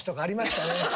ありましたね。